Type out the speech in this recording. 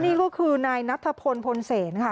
นี่ก็คือนายนัทพลพลเซนค่ะ